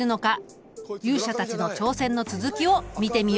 勇者たちの挑戦の続きを見てみよう。